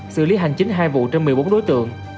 xử lý hành chính hai vụ trên một mươi bốn đối tượng